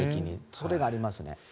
それがありますね。